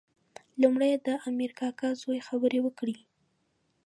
لومړی د امیر کاکا زوی خبرې وکړې.